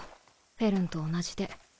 フェルンと同じで。